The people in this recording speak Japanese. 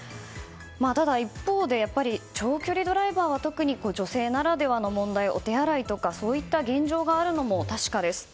ただ、一方で長距離ドライバーは特に女性ならではの問題お手洗いとかそういった現状があるのも確かです。